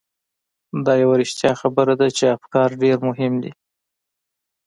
دا یوه رښتیا خبره ده چې افکار ډېر مهم دي.